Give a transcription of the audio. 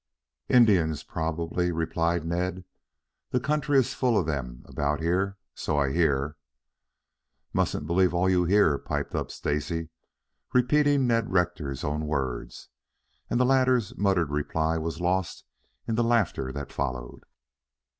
"Indians, probably," replied Ned. "The country is full of them about here, so I hear." "Mustn't believe all you hear," piped up Stacy, repeating Ned Rector's own words, and the latter's muttered reply was lost in the laughter that followed.